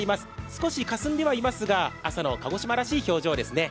少しかすんでいますが朝の鹿児島らしい表情ですね。